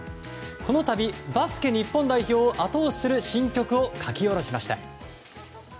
このたび、バスケ日本代表を後押しする新曲を書き下ろしました。